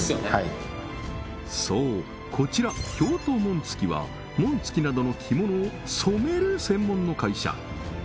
そうこちら京都紋付は紋付きなどの着物を染める専門の会社